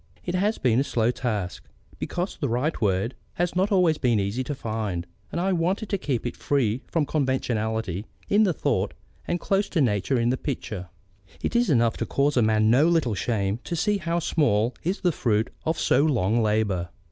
It has been a slow task, because the right word has not always been easy to find, and I wanted to keep free from conventionality in the thought and close to nature in the picture. It is enough to cause a man no little shame to see how small is the fruit of so long labour.